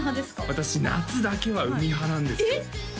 私夏だけは海派なんですよえっ